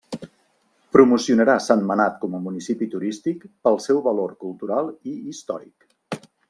Promocionarà Sentmenat com a municipi turístic pel seu valor cultural i històric.